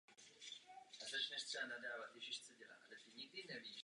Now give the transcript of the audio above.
Administrativně je celý poloostrov součástí Národního parku Severovýchodní Grónsko.